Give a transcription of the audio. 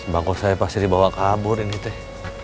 bangku saya pasti dibawa kabur ini teh